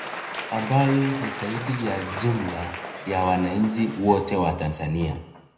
Ambayo ni zaidi ya jumla ya wananchi wote wa Tanzania